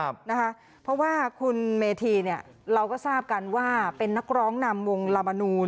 เพราะว่าคุณเมธีเนี่ยเราก็ทราบกันว่าเป็นนักร้องนำวงลามนูน